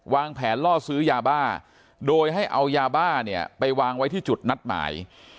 วางแผนล่อซื้อยาบ้าโดยให้เอายาบ้าเนี่ยไปวางไว้ที่จุดนัดหมาย